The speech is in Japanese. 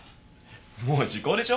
もう時効でしょ？